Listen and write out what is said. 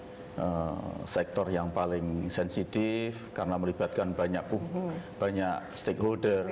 adalah kabar yang paling sensitif karena melibatkan banyak stakeholder